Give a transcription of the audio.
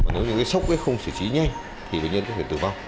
nếu những cái sốc không xử trí nhanh thì bệnh nhân có thể tử vong